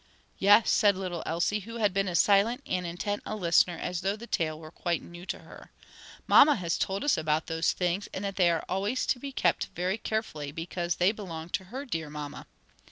"Yes," said little Elsie, who had been as silent and intent a listener as though the tale were quite new to her, "mamma has told us about those things, and that they are always to be kept very carefully because they belonged to her dear mamma."